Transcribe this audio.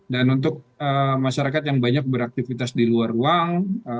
dan untuk masyarakat yang banyak beraktivitas di luar ruang